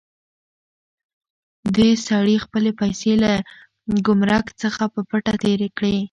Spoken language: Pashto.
دې سړي خپلې پیسې له ګمرک څخه په پټه تېرې کړې.